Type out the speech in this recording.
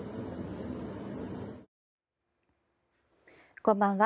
こんばんは。